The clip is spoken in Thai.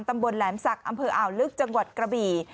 ตำบลแหลมศักดิ์อำเภออ่าวลึกจังหวัดกระบี่